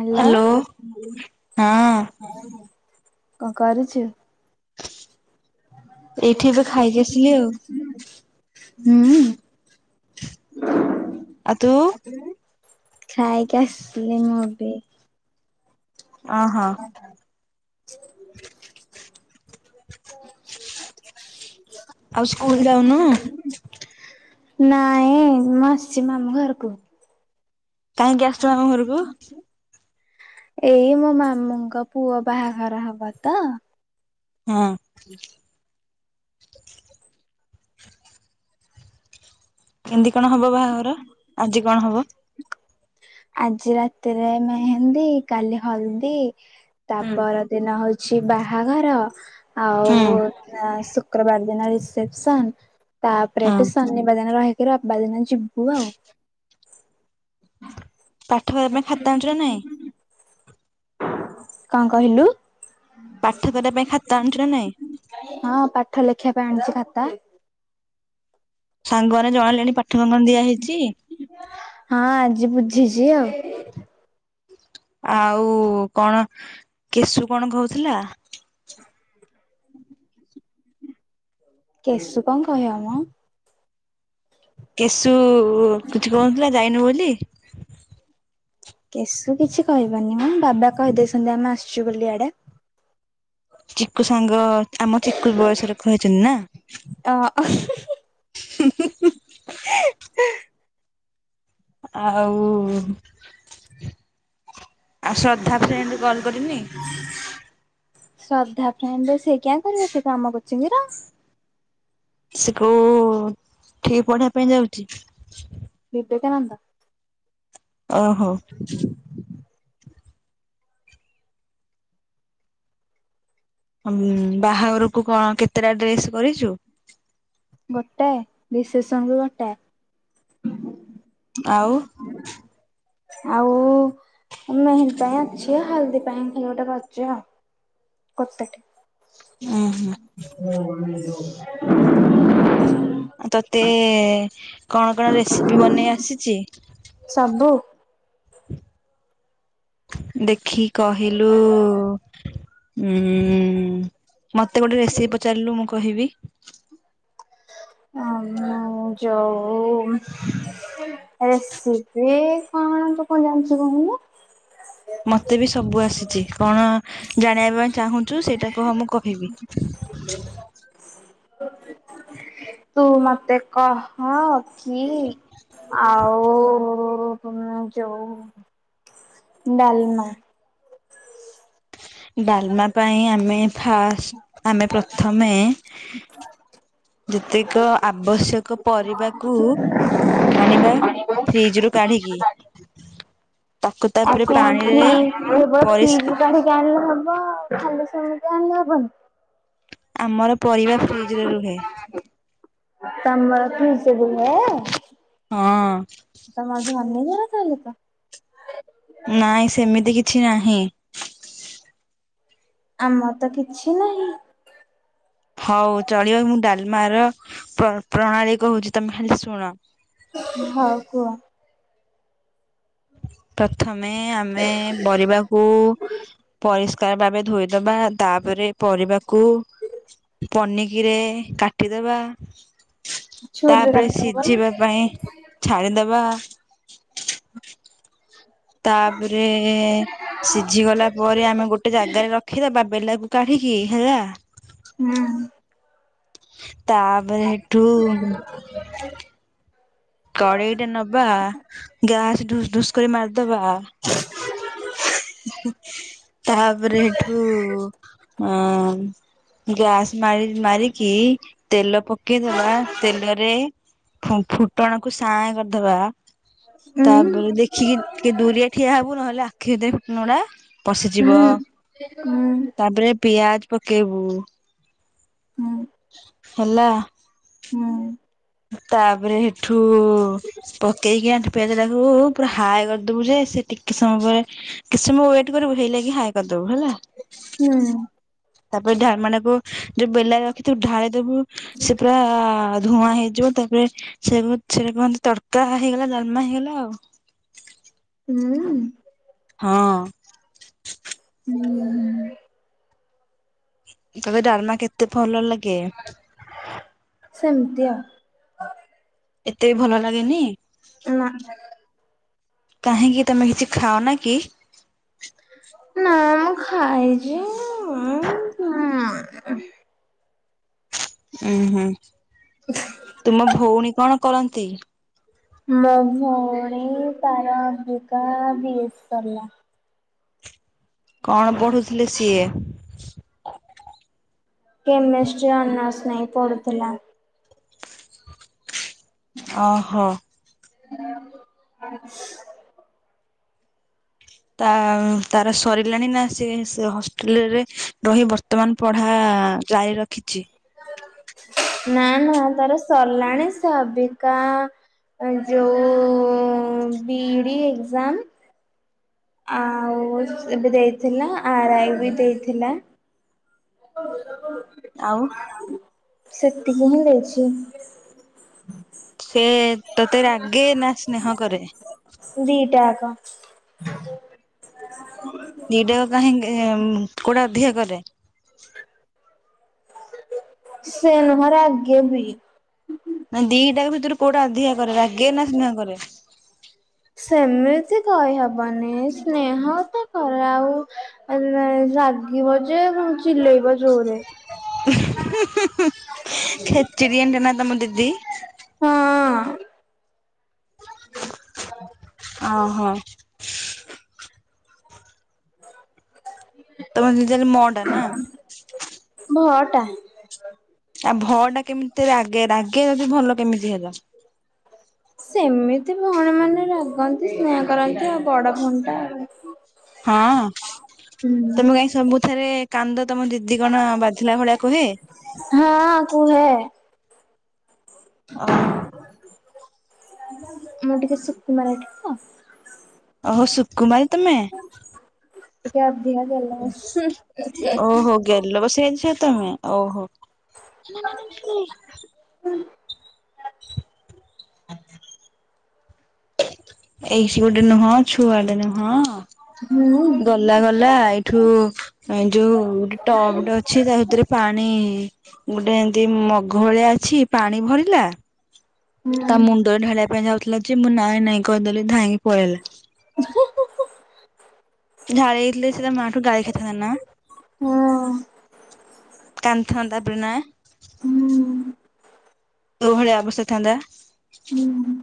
Hello ହଁ କଣ କରୁଛୁ? ଏଇଠି ଏବେ ଖାଇକି ଆସିଲି ଆଉ [inaudible] ହୁଁ ଆଉ ତୁ? ଖାଇକି ଆସିଲି ମୁଁ ଏବେ। ଓ ହୋ। [inaudible] ଆଉ ସ୍କୁଲ ଯାଉନୁ [inaudible] ନାଇଁ ମୁଁ ଆସିଛି ମାମୁଁ ଘରକୁ। କାହିଁକି ଆସିଛ ମାମୁଁ ଘରକୁ। ଏଇ ମୋ ମାମୁଁଙ୍କ ପୁଅ ବାହାଘର ହବ ତ। ହଁ। କେମିତି କଣ ହବ ବାହାଘର ଆଜି କଣ ହବ? ଆଜି ରାତିରେ ମେହେନ୍ଦୀ କାଲି ହଳଦୀ। ତା ହୁଁ ପର ଦିନ ହଉଛି ବାହାଘର। ଆଉ ହେଲା ଶୁକ୍ରବାର ଦିନ ରିସେପସନ। ତାପରେ ହଁ ଏଠୁ ଶନିବାର ଦିନ ରହିକି ରବିବାର ଦିନ ଯିବୁ ଆଉ। [unintelligible] ଖାତା ଅଣିଚୁ ନା ନାଇଁ। କଣ କହିଲୁ? ପାଠ କରିବା ପାଇଁ ଖାତା ଆଣିଛୁ ନା ନାଇଁ? ହଁ ପାଠ ଲେଖିବା ପାଇଁ ଆଣିଛି ଖାତା। ସାଙ୍ଗମାନେ ଜଣେଇଲେଣି ପାଠ କଣ ଙ୍କଣ ଦିଆ ହେଇଛି? ହଁ ଆଜି ବୁଝିଛି ଆଉ। ଆଉ କଣ କେଶୁ କଣ କହୁଥିଲା? କେଶୁ କଣ କହିବମ। କେଶୁ କିଛି କହୁନଥିଲା ଯାଇନୁ ବୋଲି। କେଶୁ କିଛି କହିବନି ମ ବାବା କହିଦେଇଛନ୍ତି ଆମେ ଆସିଛୁ ବୋଲି ଆଡେ। ଚିକୁ ସାଙ୍ଗ ଆମ ଚିକୁ ବୟସର କହିଛନ୍ତି ନା। ଅ ହୁଁ ହୁଁ ହୁଁ। [inaudible] ଆଉ ଆଉ ଶ୍ରଦ୍ଧା ଫ୍ରେଣ୍ଡ କଲ କରିନି। ଶ୍ରଦ୍ଧା ଫ୍ରେଣ୍ଡ ସେ କିଆଁ କରିବ ସେ କଣ ଆମ କୋଚିଙ୍ଗର। ସେ କୋଉ ଠି ପଢିବା ପାଇଁ ଯାଉଛି। ବିବେକାନନ୍ଦ। ଓହୋ। ବାହାଘରକୁ କଣ କେତେଟା ଡ୍ରେସ୍ କରିଛୁ? ଗୋଟାଏ ରିସେପ୍ସନ ଗୋଟାଏ। ଆଉ ଆଉ ମେହେନ୍ଦି ପାଇଁ ଅଛି ହଳଦି ପାଇଁ ଖାଲି ଗୋଟେ କରିଛି ଆଉ। ଉହୁଁ [unintelligible] ଏ [inaudible] କଣ କଣ ରେସିପି ବନେଇ ଆସିଛି। ସବୁ। ଦେଖି କହିଲୁ? ଉୁଁ ମତେ ଗୋଟେ ରେସିପି ପଚାରିଲୁ ମୁଁ କହିବି। [unintelligible] ଅ ଆ ଯଉ ରେସି ରେ କଣ ତୁ କଣ ଜାଣିଛୁ କହୁନୁ। ମତେ ବି ସବୁ ଆସିଛି କଣ ଜାଣିବା ପାଇଁ ଚାହୁଁଛୁ ସେଇଟା କହ ମୁଁ କହିବି। ତୁ ମତେ କହ। କି ଆଉ ଉ-ଉ-ଉ ଉମ୍ ଯଉ ଡାଲମା। ଡାଲମା ପାଇଁ ଆମେ ଫାଷ୍ ଆମେ ପ୍ରଥମେ ଯେତିକ ଆବଶ୍ୟକ ପରିବାକୁ ଆଣିବା ଫ୍ରିଜ୍ ରୁ କାଢି଼କି। ଆପଣ ଫ୍ରୀ କେବଳ ପରିସ୍ ଫ୍ରୀଜ୍ କାଢ଼ିକି ଆଣିଲେ ହବ ଆଉ ଖାଲି ସେମିତି ଆଣିଲେ ହବନି? ଆମର ପରିବା ଫ୍ରିଜ୍ ରେ ରୁହେ। ତମର ଫ୍ରୀଜ୍ ରେ ରୁହେ? ହଁ। ତମର ଧନୀ ଘର ତାହେଲେ ତ। ନାଇଁ ସେମିତି କିଛି ନାହିଁ। ଆମର ତ କିଛି ନାହିଁ। ହଉ ଚଳିବ ମୁଁ ଡାଲମାର ପ୍ର ପ୍ରଣାଳୀ କହୁଚି ତମେ ଖାଲି ଶୁଣ। ହଉ କୁହ। ପ୍ରଥମେ ଆମେ ବରିବାକୁ ପରିଷ୍କାର ବାବେ ଧୋଇଦବା ତାପରେ ପରିବାକୁ ପନିକିରେ କାଟିଦବା। ଛୁରୀରେ ତାପରେ କାଟି ହବ ସିଝିବା ପାଇଁ ଛାଡି଼ଦବା। ତାପରେ ସିଝି ଗଲା ପରେ ଆମେ ଗୋଟେ ଜାଗାରେ ରଖିଦବା। ବେଲାକୁ କାଢି଼କି, ହେଲା? ହୁଁ। ତାପରେ ହେଠୁ କଡ଼େଇଟା ନବା ଗ୍ୟାସ୍ ଢୁସ ଢୁସ୍ କରି ମାରିଦବା। ତାପରେ ହେଠୁ ଅ ଗ୍ୟାସ୍ ମାରି ମାରିକି ତେଲ ପକେଇଦବା ତେଲରେ ଫୁଁ ଫୁଟଣକୁ ସାଏଁ କରିଦବା ହୁଁ ତାପରେ ଦେଖିକି ଟିକେ ଦୂରିଆ ଠିଆ ହବୁ ନହେଲେ ଆଖି ଦେପ୍ ନୁଡ଼େ ଉଁ ପଶିଯିବ ହୁଁ ହୁଁ ତାପରେ ପିଆଜ୍ ପକେଇବୁ ହୁଁ ହେଲା? ହୁଁ। ତାପରେ ହେଠୁ ପକେଇକି ଆଁଠୁ ପିଆଜରାକୁ ପୁରା ହାଏ କରଦୋବୁ ଯେ ସିଏ ଟିକେ ସମୟ ପରେ କେ ସମୟ ୱେଟ୍ କରିବୁ ହେଇ ଲଗି ହାଏ କରଦୋବୁ, ହେଲା? ହୁଁ। ତାପରେ ଢା ମାନେ କୋଉ ଯୋଉ ବେଲାରେ ରଖିଥିବୁ ଢାଳି ଦବୁ ସେ ପୁରା ଧୂଆଁ ହେଇଯିବ ତାପରେ ସେ ପ ସେଟା କୁହନ୍ତି ତଡ଼କା ହେଇଗଲା ଦାଲମା ହେଇଗଲା ଆଉ। ହୁଁ? ହଁ। ହୁଁ। ତତେ ଡାଲମା କେତେ ଫଲ ଲାଗେ? ସେମତିଆ। ଏତେ ବି ଭଲ ଲାଗେନି? ନାଁ। କାହିଁକି ତମେ କିଛି ଖାଅ ନା କି? ନ ମୁଁ ଖାଏ ଯେ ମୁଁ ଉଁ ଉଁ ହୁଁ ତୁମ ଭୋଉଣୀ କଣ କରନ୍ତି? ମୋ ଭୋଉଣୀ ତାର ଅଭିକା ଭେଜ୍ ସରଲା। କଣ ପଢ଼ୁଥୁଲେ ସିଏ? କେମେଷ୍ଟ୍ରି ଅନର୍ସ ନେଇ ପଢ଼ୁଥୁଲା। ଓ ହୋ। [unintelligible] ତା ତାର ସରିଲାଣି ନା ସେ ସେ ହଷ୍ଟେଲରେ ରହି ବର୍ତ ବର୍ତ୍ତମାନ ପଢା ଜାରି ରଖିଚି। ନା ନା ତାର ସରଲାଣି ସେ ଅବିକା ଯେଉଁ ବି ଇ ଡ଼ି ଏକ୍ଜାମ ଆଉ ଏବେ ଦେଇଥିଲା। ଆ ରା ଇ ବି ଦେଇଥିଲା। [unintelligible] ଆଉ ସେତିକି ହିଁ ଦେଇଛି। ସେ ତୋତେ ରାଗେ ନା ସ୍ନେହ କରେ। ଦିଟା ଆକ। ଦିଟା ଆଙ୍କ କାହିଁକି କୋଉଟା ଅଧିକ କର? ସେ ନୁହଁ ରାଗେ ବି। ନା ଦିଟା କ ଭିତରୁ କୋଉଟା ଅଧିକା କରେ ରାଗେ ନା ସ୍ନେହ କରେ? ସେମିତି କହିହବନି ସ୍ନେହ ତ କରେ ଆଉ, ରାଗିବ ଯେ ପୁଣି ଚିଲେଇବ ଜୋରେ। ଖେଚିଡିଆଣି ଟା ନା ତମ ଦିଦି। ହଁ। ଅ ହ। ତମ। [unintelligible] ଭ ଟା। ଆଉ ଭ ଟା କେମିତି ରାଗେ ରାଗେ ଯଦି ଭଲ କେମିତି ହେଲା। ସେମିତି ଭଉଣୀ ମାନେ ରାଗନ୍ତି ସ୍ନେହ କରନ୍ତି ଆଉ ବଡ ଭଉଣୀ ଟା। ହଁ, ହୁଁ ତମେ କାଇଁ ସବୁଥରେ କାନ୍ଦ ତମ ଦିଦି କଣ ବାଧିଲା ଭଳିଆ କୁହେ? ହଁ କୁହେ। ଅ ହ। ମୁଁ ଟିକେ ସୁକୁମାରୀ ଟି ତ। ଓହୋ ସୁକୁମାରୀ ତମେ। [unintelligible] ଓହୋ ଗେଲ ବସରିଆ ଝିଅ ତମେ ଓହୋ। ଏଇଠି ଗୋଟେ ନୁହଁ ଛୁଆଟେ ନୁହଁ ହୁଁ। ପିଲା କଲା ଏଇଠୁ ଯୋଉ ଟବ ଟେ ଅଛି ତା ଭିତରେ ପାଣି ଗୋଟେ ଏମିତି ମଗ ଭଳିଆ ଅଛି ତା ଭିତରେ ପାଣି ଭରିଲା ତା ହଁ। ମୁଣ୍ଡ ଢାଳିବା ପାଇଁ ଯାଉଥିଲା ଯେ ମୁଁ ନାଇଁ ନାଇଁ କହିଦେଲି ଧାଇଁକି ପଳେଇଲା। [inaudible] ଢାଳି ଦେଇଥିଲେ ସେ ତା ମାଠୁ ଗାଳି ଖାଇଥାନ୍ତା ନା। କାନ୍ଦି ଥାନ୍ତା ତାପରେ ନା। ହୁଁ କୋ ଭଳିଆ ଅବସ୍ତା ହେଇଥାନ୍ତା। ଉଁ ହୁଁ।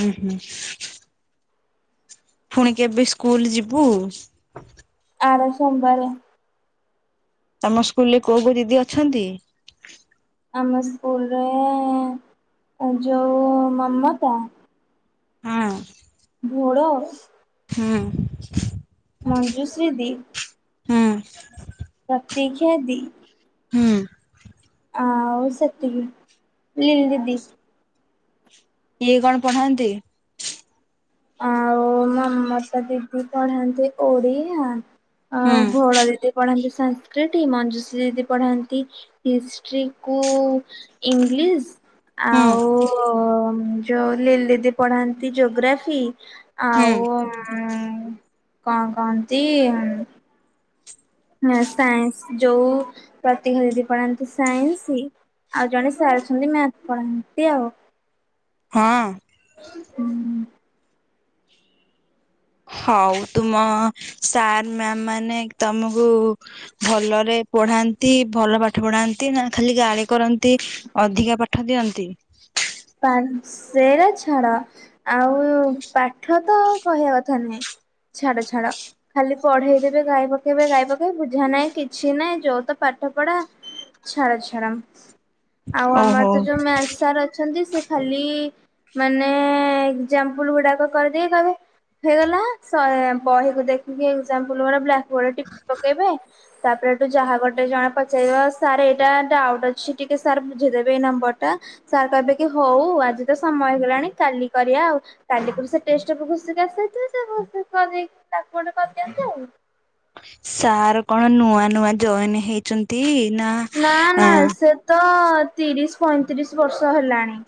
ଉଁ ହୁଁ। ପୁଣି କେବେ ସ୍କୁଲ ଯିବୁ? ଆର ସୋମବାରେ। ତମ ସ୍କୁଲ ରେ କୋଉ କୋଉ ଦିଦି ଅଛନ୍ତି? ଆମ ସ୍କୁଲରେ ଯଉ ମମତା ହଁ। [unintelligible] ହୁଁ। ମଞ୍ଜୁଶ୍ରୀ ଦି, ହୁଁ। ପ୍ରତିକ୍ଷ୍ୟା ଦି, ହୁଁ ଆଉ ସେତିକି ମିଲି ଦିଦି। ଇଏ କଣ ପଢ଼ାନ୍ତି? ଆଉ ମମତା ଦିଦି ପଢ଼ାନ୍ତି ଓଡିଆ। ହୁଁ ଆଉ ଭଲ [inaudible] ପଢ଼ାନ୍ତି ସଂକୃତି, ମଞ୍ଜୁଶ୍ରୀ ଦିଦି ପଢ଼ାନ୍ତି ହିଷ୍ଟ୍ରି କୁ ଇଂଲିଶ। ହୁଁ ଆଉ ଅ ଉମ ଯୋଉ ଲିଲି ଦିଦି ପଢ଼ାନ୍ତି ଜୋଗ୍ରାଫ ଫି, ହୁଁ ଆଉ ଉମ ମମ କ'ଣ କହନ୍ତି? ଉମ ହଁ ସାଇନ୍ସ ଯୋଉ ପ୍ରତୀକ୍ଷା ଦିଦି ପଢ଼ାନ୍ତି ସାଇନ୍ସୀ। ଆଉ ଜଣେ ସାର୍ ଅଛନ୍ତି ମ୍ୟାଥ ପଢ଼ାନ୍ତି ଆଉ। ହୁଁ। ହୁଁ। ହଉ ତୁମ ସାର୍ ମାମ୍ ମାନେ ତମକୁ ଭଲରେ ପଢାନ୍ତି, ଭଲ ପାଠ ପଢାନ୍ତି, ନା ଖାଳି ଗାଲି କରନ୍ତି? ଅଧିକା ପାଠ ଦିଅନ୍ତି? ପାଞ୍ଚ ସେଇଟା ଛାଡ, ଆଉ ପାଠ ତ କହିବା କଥା ନୁହେଁ। ଛାଡ଼ ଛାଡ଼। ଖାଲି ପଢ଼େଇ ଦେବେ, ଗାଇ ପକେଇବେ ଗାଈ ପକେଇବେ, ବୁଝା ନାହିଁ କିଛି ନାହିଁ ଯୋଉ ତ ପାଠ ପଢ଼ା। ଛାଡ ଛାଡ। ଆଉ ଆମର ଓହୋ। ତ ଯୋଉ ମ୍ୟାଥ ସାର ଅ ସେମିତି ସେ ଖାଲି ମାନେ ଏଜାମ୍ପଲ ଗୁଡାକ କରିଦେଇ କହିବେ। ହେଇଗଲା ଶହେ ବହିକୁ ଦେଖିକି ଏକଜାମ୍ପଲ ବାଡ଼ ବ୍ଲାକ ବୋଡ ଟିକ ପକେଇବେ। ତାପରେ ତ ଯାହା ଗୋଟେ ଯାହା ପଚାରିବ ସାର୍ ଏଇଟା ଡାଉଟ ଅଛି, ଟିକେ ସାର୍ ବୁଝେଇଦେବେ ଏଇ ନମ୍ବରଟା? ସାର୍ କହିବେ କି ହଉ ଆଜି ତ ସମୟ ହେଲାଣି କାଲି କରିବା ଆଉ। କାଲି ପୁଣି ସେ ଟେଷ୍ଟକୁ ଘୁଷିକି ଆସେ ସେଥିରେ ସେ [inaudible] କରିଦିଅନ୍ତି ଆଉ। ସାର୍ କଣ ନୂଆ ନୂଆ ଜଏନ ହେଇଛନ୍ତି? ନା ନା ନା, ସେ ତ ତିରିଶ ପଇଁତିରିଶ ବର୍ଷ ହେଲାଣି।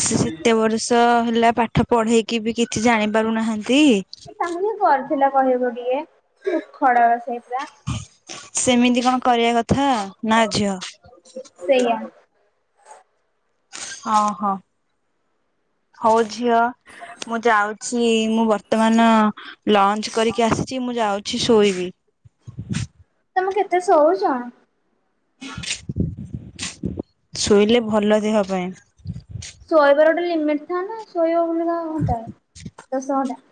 ସେ ସେତେ ବର୍ଷ ହେଲା ପାଠ ପଢେଇକି ବି କିଛି ଜାଣି ପାରୁନାହାନ୍ତି? ସାଙ୍ଗ ହିଁ କରିଥିଲା କହିବ ବି ୟେ ଖଡ଼ା ଵା ସେଇଟା। ସେମିତି କଣ କରିବା କଥା? ନା ଝିଅ। ସେଇଆ। ହଁ ହୋ, ହଉ ଝିଅ ମୁଁ ଯାଉଛି, ମୁଁ ବର୍ତ୍ତମାନ ଲଞ୍ଚ କରିକି ଆସିଛି, ମୁଁ ଯାଉଛି ଶୋଇବି। ତମେ କେତେ ଶୋଉଛ? ଶୋଇଲେ ଭଲ ଦେହ ପାଇଁ। ଶୋଇବାର ଗୋଟେ ଲିମିଟ ଥାଏ ନା ଶୋଇଵା ବାଳିକା ଘଣ୍ଟାଏ ଦଶ ଘଣ୍ଟା।